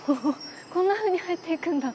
こんなふうに入っていくんだ。